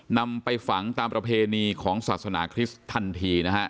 นำไปฝังตามประเพณีของศาสนาคริสต์ทันทีนะฮะ